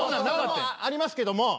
ありますけども。